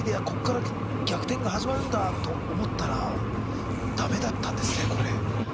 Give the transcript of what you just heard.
こっから逆転が始まるんだと思ったらだめだったんですねこれ。